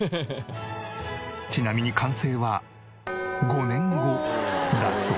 ちなみに完成は５年後だそう。